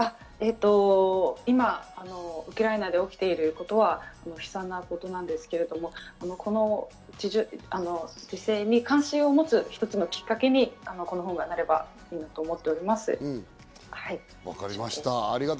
今、ウクライナで起きていることは悲惨なことなんですけれど、この時世に関心を持つ一つのきっかけにこの本がなればと思っております。